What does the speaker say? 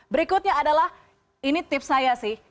berikutnya adalah ini tips saya sih